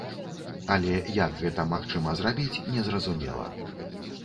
Але як гэта магчыма зрабіць, незразумела.